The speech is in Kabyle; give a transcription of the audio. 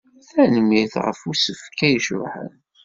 Tanemmirt ɣef usefk-a icebḥen.